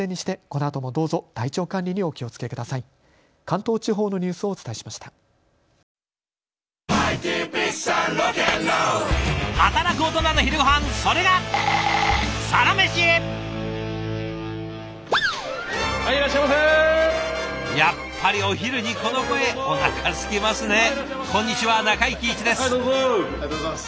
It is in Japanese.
ありがとうございます。